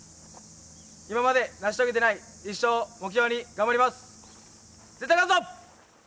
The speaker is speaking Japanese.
今まで成し遂げていない１勝を目標に頑張ります。